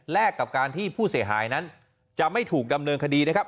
กับการที่ผู้เสียหายนั้นจะไม่ถูกดำเนินคดีนะครับ